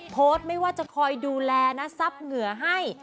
โพสต์ไม่ว่าจะคอยดูแลนะซับเหงื่อให้